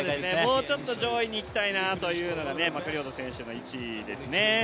もうちょっと上位に行きたいなというのがマクリオド選手の位置ですね。